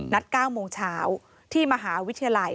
๙โมงเช้าที่มหาวิทยาลัย